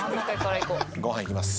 ご飯いきます。